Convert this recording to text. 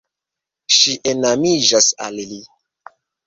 Ŝi enamiĝas al li.